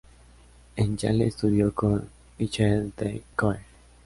En Yale estudió con Michael D. Coe.